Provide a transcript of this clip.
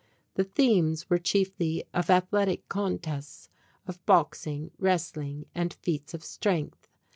The themes were chiefly of athletic contests, of boxing, wrestling and feats of strength.